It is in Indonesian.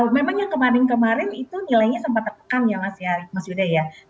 memang yang kemarin kemarin itu nilainya sempat tertekan ya mas yudaya